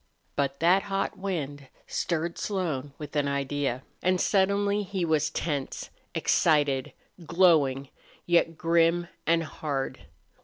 But that hot wind stirred Slone with an idea, and suddenly he was tense, excited, glowing, yet grim and hard.